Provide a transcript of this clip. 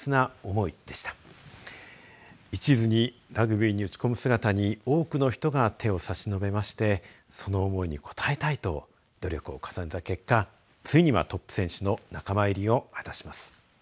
いちずにラグビーに打ち込む姿に多くの人が手を差し伸べましてその思いに応えたいと努力を重ねた結果ついにはトップ選手の仲間入りを果たします。